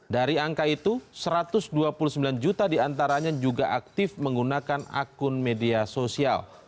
dari angka itu satu ratus dua puluh sembilan juta diantaranya juga aktif menggunakan akun media sosial